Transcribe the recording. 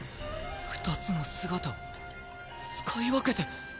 二つの姿を使い分けて。